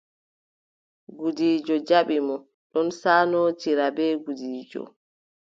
Gudiijo jaɓɓi mo, ɗum saanootiri bee gudiijo.